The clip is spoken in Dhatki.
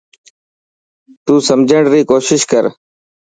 تو سمجهڻ ي ڪوشش ڪر.